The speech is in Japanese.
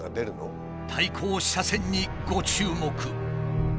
対向車線にご注目。